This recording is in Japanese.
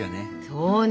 そうね